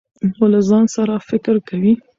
نو له ځان سره فکر کوي ،